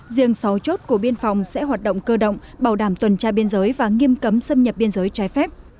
riêng sáu chốt của biên phòng sẽ hoạt động cơ động bảo đảm tuần tra biên giới và nghiêm cấm xâm nhập biên giới trái phép